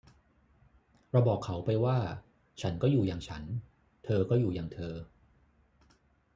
เราบอกเขาไปว่า ฉันก็อยู่อย่างฉัน เธอก็อยู่อย่างเธอ